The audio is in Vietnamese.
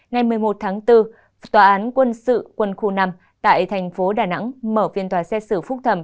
ngày một mươi một tháng bốn tòa án quân sự quân khu năm tại thành phố đà nẵng mở phiên tòa xét xử phúc thẩm